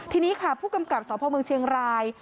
ทีนี้ค่ะผู้กำกับสพเมืองเชียงราย